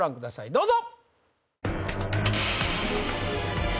どうぞ。